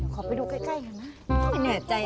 ขอไปดูใกล้หน่อยนะ